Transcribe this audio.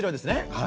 はい。